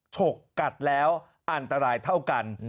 ฉกกัดแล้วอันตรายเท่ากัน